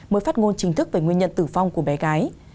mới phát ngôn chính thức về nguyên nhân tử vong của bé gái